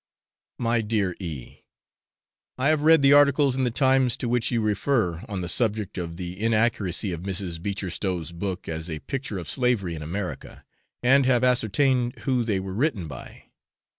My dear E . I have read the articles in the Times to which you refer, on the subject of the inaccuracy of Mrs. Beecher Stowe's book as a picture of slavery in America, and have ascertained who they were written by.